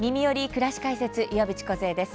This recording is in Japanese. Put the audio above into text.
くらし解説」岩渕梢です。